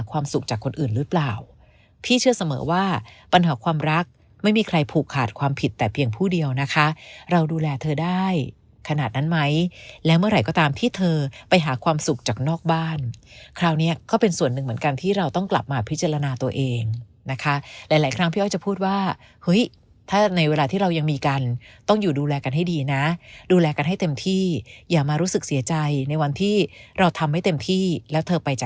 ว่าปัญหาความรักไม่มีใครผูกขาดความผิดแต่เพียงผู้เดียวนะคะเราดูแลเธอได้ขนาดนั้นไหมแล้วเมื่อไหร่ก็ตามที่เธอไปหาความสุขจากนอกบ้านคราวนี้ก็เป็นส่วนหนึ่งเหมือนกันที่เราต้องกลับมาพิจารณาตัวเองนะคะหลายครั้งพี่จะพูดว่าเฮ้ยถ้าในเวลาที่เรายังมีกันต้องอยู่ดูแลกันให้ดีนะดูแลกันให้เต็มที่อย่ามา